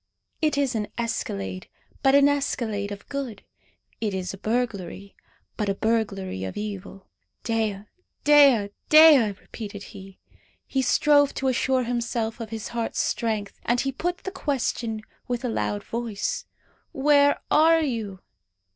It is an escalade, but an escalade of good. It is a burglary, but a burglary of evil. "Dea! Dea! Dea!" repeated he. He strove to assure himself of his heart's strength. And he put the question with a loud voice "Where are you?"